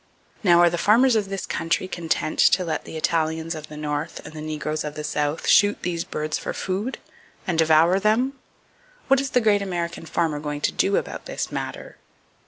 Now, are the farmers of this country content to let the Italians of the North, and the negroes of the South, shoot those birds for food, and devour them? What is the great American farmer going to do about this matter?